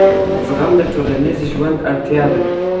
زغم د ټولنیز ژوند اړتیا ده.